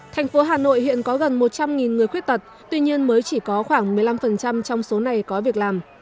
thành phố hà nội hiện có gần một trăm linh người khuyết tật tuy nhiên mới chỉ có khoảng một mươi năm trong số này có việc làm